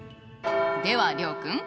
では諒君。